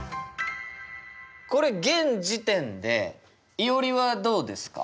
これ現時点でいおりはどうですか？